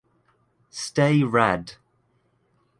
Stay Rad!